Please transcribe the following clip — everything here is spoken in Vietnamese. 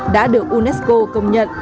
đã được unesco công nhận